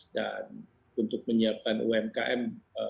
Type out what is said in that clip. dan untuk menyiapkan umkm